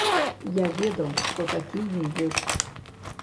Я ведаў, што такія ёсць.